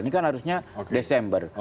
ini kan harusnya desember